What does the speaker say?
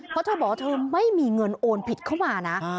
เพราะเธอบอกว่าเธอไม่มีเงินโอนผิดเข้ามานะ